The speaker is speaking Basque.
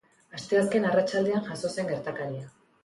Asteazken arratsaldean jazo zen gertakaria.